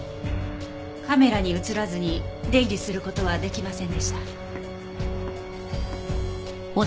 カメラに映らずに出入りする事は出来ませんでした。